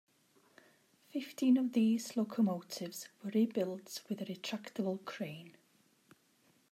Fifteen of these locomotives were rebuilt with a retractable crane.